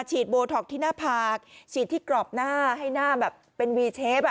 โบท็อกที่หน้าผากฉีดที่กรอบหน้าให้หน้าแบบเป็นวีเชฟ